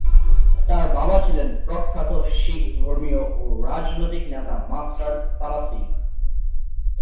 তার বাবা ছিলেন প্রখ্যাত শিখ ধর্মীয় ও রাজনৈতিক নেতা মাস্টার তারা সিং।